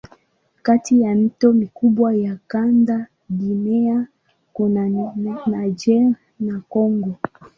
Kati ya mito mikubwa ya kanda Guinea kuna Niger na Kongo.